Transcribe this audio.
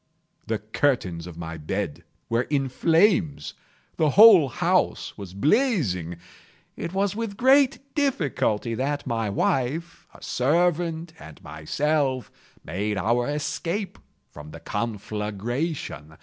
The curtains of my bed were in flames. The whole house was blazing. It was with great difficulty that my wife, a servant, and myself, made our escape from the conflagration.